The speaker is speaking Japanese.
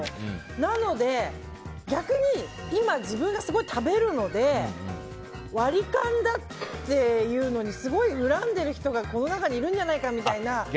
なので、逆に今、自分がすごい食べるのでワリカンだっていうのにすごい恨んでいる人がこの中にいるんじゃないかみたいな。